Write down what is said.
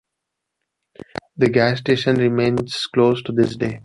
The gas station remains closed to this day.